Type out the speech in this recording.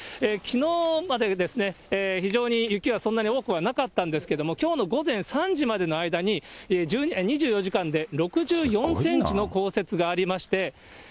きのうまでですね、非常に雪はそんなに多くはなかったんですけど、きょうの午前３時までの間に、２４時間で６４センチの降雪がありまして。